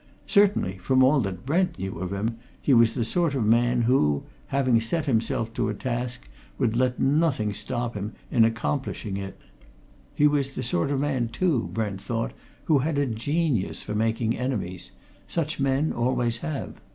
Certainly, from all that Brent knew of him, he was the sort of man who, having set himself to a task, would let nothing stop him in accomplishing it; he was the sort of man too, Brent thought, who had a genius for making enemies: such men always have.